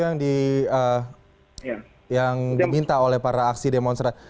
dari yang diminta oleh para aksi demonstrasi